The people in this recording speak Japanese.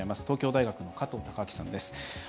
東京大学の加藤孝明さんです。